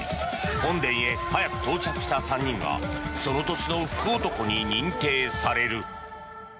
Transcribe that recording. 本殿へ早く到着した３人がその年の福男に認定される。